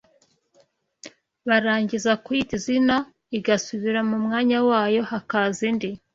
barangiza kuyita izina igasubira mu mwanya wayo, hakaza indi